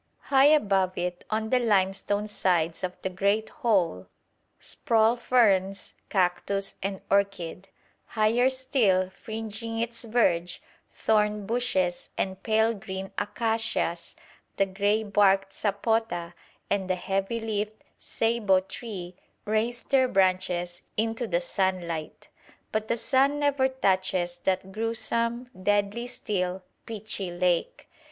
High above it on the limestone sides of the great hole sprawl ferns, cactus, and orchid; higher still, fringing its verge, thorn bushes and pale green acacias, the grey barked sapota, and the heavy leafed ceibo tree raise their branches into the sunlight. But the sun never touches that gruesome, deadly still, pitchy lake.